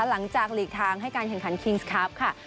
หลังจากลีกทางให้การแข่งขันคิงส์คลับค่ะ